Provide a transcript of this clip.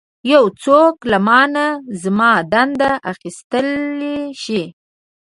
یو څوک له مانه زما دنده اخیستلی شي.